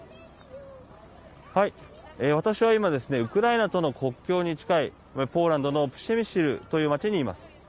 私は今ウクライナとの国境に近いポーランドのプシェミシルという町にいます。